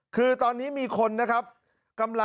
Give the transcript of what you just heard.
คือตอนนี้มีคนนะครับ